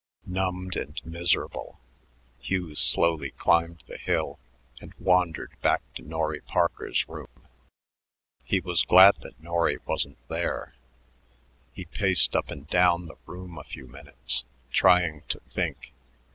Numbed and miserable, Hugh slowly climbed the hill and wandered back to Norry Parker's room. He was glad that Norry wasn't there. He paced up and down the room a few minutes trying to think.